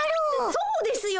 そうですよ。